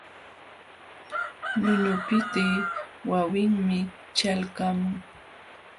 Ñuñupitiy wawinmi ćhalqamun.